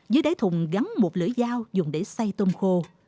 dưới đáy thùng gắn một lưỡi dao dùng để xây tôm khô